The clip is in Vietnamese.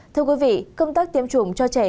thưa quý vị công tác tiêm chủng cho trẻ